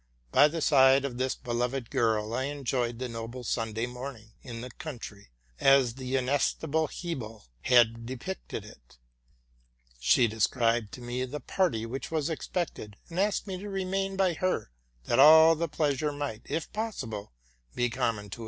By the side of this beloved girl I enjoyed the noble Sunday morning in the coun try, as the inestimable Hebel has depicted it. She described 56 TRUTH AND FICTION to me the party which was expected, and asked me to remain by her, that all the pleasure might, if possible, be common to